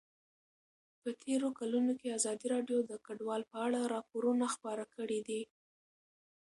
په تېرو کلونو کې ازادي راډیو د کډوال په اړه راپورونه خپاره کړي دي.